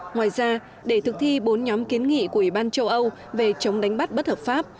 ngoài ra để thực thi bốn nhóm kiến nghị của ủy ban châu âu về chống đánh bắt bất hợp pháp